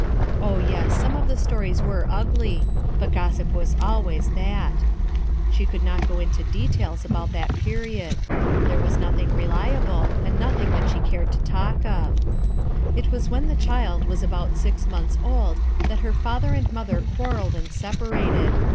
Oh, yes, some of the stories were ugly, but gossip was always that; she could not go into details about that period; there was nothing reliable, and nothing that she cared to talk of. It was when the child was about sis months old that her father and mother quarrelled and separated.